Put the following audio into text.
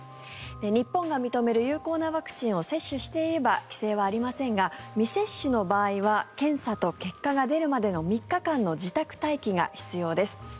日本が認める有効なワクチンを接種していれば規制はありませんが未接種の場合は検査と結果が出るまでの３日間の自宅待機が必要です。